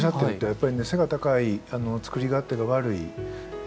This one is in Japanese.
やっぱりね背が高い作り勝手が悪い。